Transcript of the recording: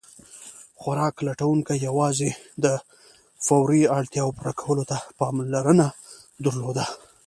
خوراک لټونکي یواځې د فوري اړتیاوو پوره کولو ته پاملرنه درلوده.